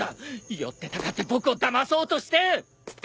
寄ってたかって僕をだまそうとして！